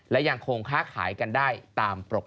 และยังคงค้าขายกันได้ตามปรบ